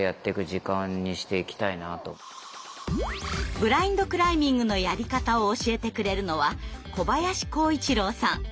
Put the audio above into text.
ブラインドクライミングのやり方を教えてくれるのは小林幸一郎さん。